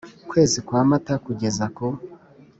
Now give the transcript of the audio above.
kwezi kwa Mata kugeza ku